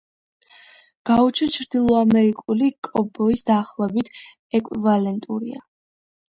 გაუჩო ჩრდილოამერიკული კოვბოის დაახლოებით ეკვივალენტურია.